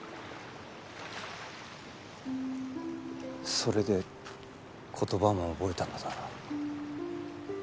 それで言葉も覚えたのだな。